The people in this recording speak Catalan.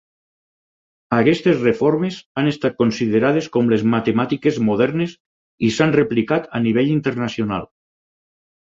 Aquestes reformes han estat considerades com les matemàtiques modernes i s'han replicat a nivell internacional.